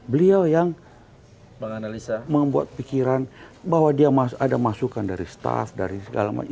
beliau yang menganalisa membuat pikiran bahwa dia ada masukan dari staff dari segala macam